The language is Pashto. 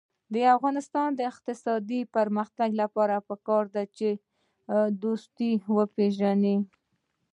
د افغانستان د اقتصادي پرمختګ لپاره پکار ده چې دوست وپېژنو.